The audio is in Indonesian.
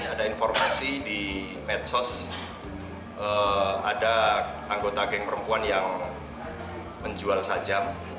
ada informasi di medsos ada anggota geng perempuan yang menjual sajam